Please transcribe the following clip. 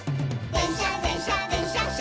「でんしゃでんしゃでんしゃっしゃ」